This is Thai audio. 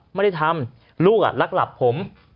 ไม่ได้ทำลูกรักหลับผม